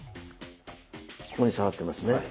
ここに刺さってますね。